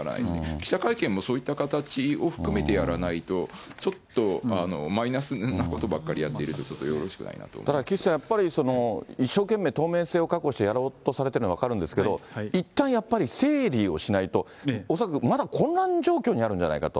記者会見もそういった形を含めてやらないと、ちょっとマイナスなことばっかりやってると、ちょっとよろしくなただ岸さん、やっぱり一生懸命、透明性を確保してやろうとされてるのは分かるんですけれども、いったんやっぱり、整理をしないと、恐らくまだ混乱状況にあるんではないかと。